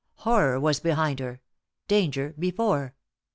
Horror was behind her; danger before.